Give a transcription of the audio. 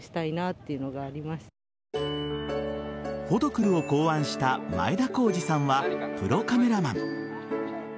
ふぉとくるを考案した前田孝司さんはプロカメラマン。